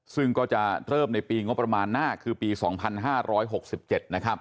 ซึ่งก็จะเริ่มในปีงบประมาณหน้าคือปี๒๕๖๗นะครับ